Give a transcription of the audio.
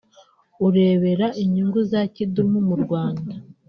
ureberera inyungu za Kidumu mu Rwanda